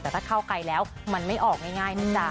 แต่ถ้าเข้าไกลแล้วมันไม่ออกง่ายนะจ๊ะ